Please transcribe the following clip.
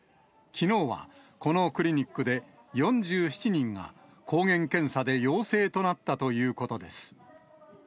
きのうはこのクリニックで、４７人が抗原検査で陽性となったということです。